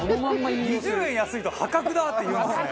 ２０円安いと「破格だ！」って言うんですね。